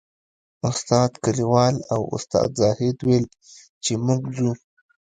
استاد کلیوال او استاد زاهد ویل چې موږ ځو.